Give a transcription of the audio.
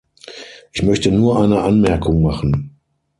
Ich möchte nur eine Anmerkung machen.